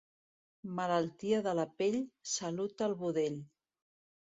Malaltia de la pell, salut al budell.